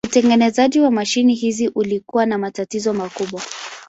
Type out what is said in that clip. Utengenezaji wa mashine hizi ulikuwa na matatizo makubwa.